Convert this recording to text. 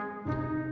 gue sama bapaknya